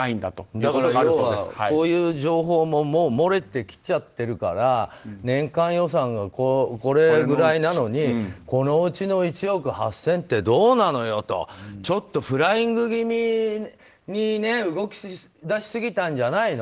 要は、こういう情報ももう漏れてきちゃってるから年間予算がこれくらいなのにこのうちの１億８０００ってどうなのよとちょっとフライング気味に動きだしすぎたんじゃないの？